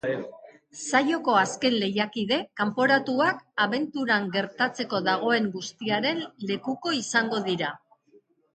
Saioko azken lehiakide kanporatuak abenturan gertatzeko dagoen guztiaren lekuko izango dira.